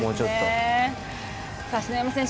篠山選手